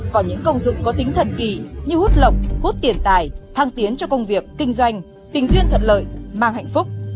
có những công dụng có tính thần kỳ như hút lộc hút tiền tài thăng tiến cho công việc kinh doanh bình duyên thuận lợi mang hạnh phúc